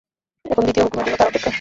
এখন দ্বিতীয় হুকুমের জন্যে তার অপেক্ষা।